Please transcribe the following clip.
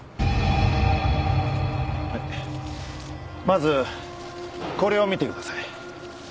まずこれを見てください。